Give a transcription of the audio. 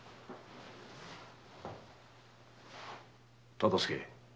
忠相。